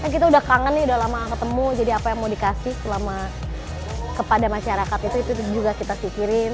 kita udah kangen nih udah lama ketemu jadi apa yang mau dikasih selama kepada masyarakat itu juga kita pikirin